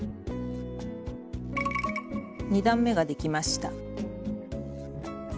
２段めができました。